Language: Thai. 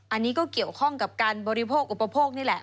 อันนี้ก็เกี่ยวข้องกับการบริโภคอุปโภคนี่แหละ